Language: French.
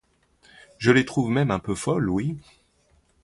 Je les trouve même un peu folles, oui!